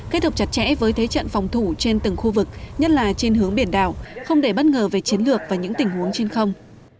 kết hợp chặt chẽ với thế trận phòng thủ trên từng khu vực nhất là trên hướng biển đảo không để bất ngờ về chiến lược và những tình huống trên không